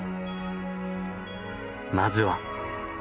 まずは。